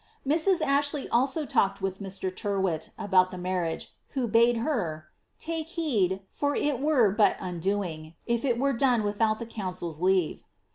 Mrs. Ashley also talked with Mr. Tyrwhit about the marriage, who bade her ^^ take heed, for it were but undoing, if it were done without the council's leave."